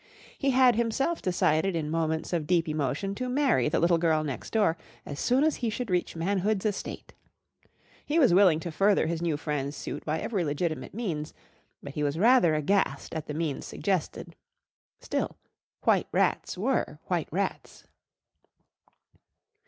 He had himself decided in moments of deep emotion to marry the little girl next door as soon as he should reach manhood's estate. He was willing to further his new friend's suit by every legitimate means, but he was rather aghast at the means suggested. Still white rats were white rats.